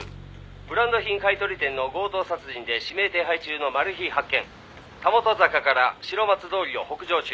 「ブランド品買取店の強盗殺人で指名手配中のマルヒ発見」「袂坂から白松通りを北上中」